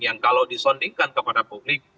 yang kalau disondingkan kepada publik